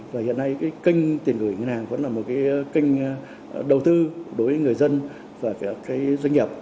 và hiện nay kênh tiền gửi ngân hàng vẫn là một kênh đầu tư đối với người dân và doanh nghiệp